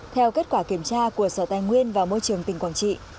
theo kết quả kiểm tra của sở tài nguyên và môi trường tỉnh quảng trị